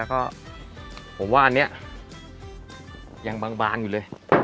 ผมว่าอันนี้ยังบางบานอยู่เลย